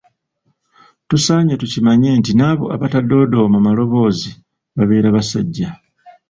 Tusaanye tukimanye nti n'abo abatadoodooma maloboozi babeera basajja.